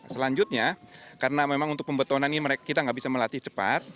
selanjutnya karena memang untuk pembetonan ini kita nggak bisa melatih cepat